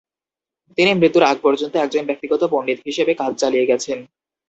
তিনি মৃত্যুর আগ পর্যন্ত একজন ব্যক্তিগত পণ্ডিত হিসেবে কাজ চালিয়ে গেছেন।